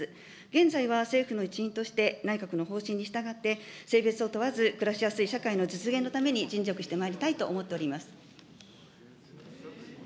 現在は政府の一員として、内閣の方針にしたがって性別を問わず、暮らしやすい社会の実現のために尽力してまいりたいと思っております。